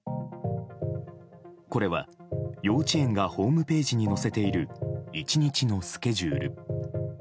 これは、幼稚園がホームページに載せている１日のスケジュール。